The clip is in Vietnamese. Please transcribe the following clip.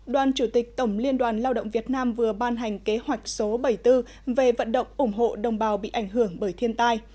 đoàn chủ tịch tổng liên đoàn lao động việt nam vừa ban hành kế hoạch số bảy mươi bốn về vận động ủng hộ đồng bào bị ảnh hưởng bởi thiên tai